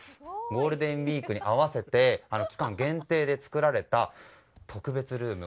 ゴールデンウィークに合わせて期間限定で作られた特別ルーム。